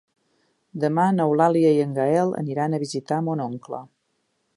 Demà n'Eulàlia i en Gaël aniran a visitar mon oncle.